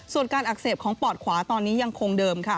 ส่วนการอักเสบของปอดขวาตอนนี้ยังคงเดิมค่ะ